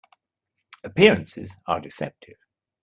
Appearances are deceptive.